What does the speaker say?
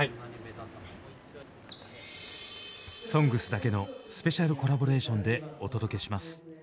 」だけのスペシャルコラボレーションでお届けします。